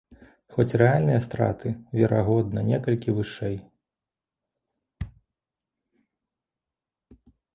Хоць рэальныя страты, верагодна, некалькі вышэй.